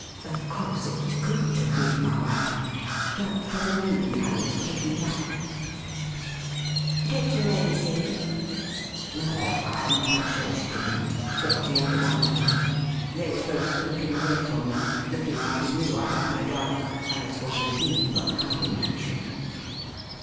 Of course, it couldn't have been my wife, but for the moment I was taken aback.' 188 THE RIDDLE EING ' Did the lady see you ?'' No ; I am quite sure she did not — or the other one, either. They were both looking away from me — looking after you, I have no doubt, as was indeed but highly natural.'